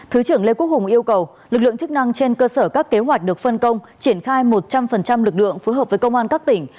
thứ trưởng lê quốc hùng yêu cầu lực lượng chức năng trên cơ sở các kế hoạch được phân công triển khai một trăm linh lực lượng phối hợp với công an các tỉnh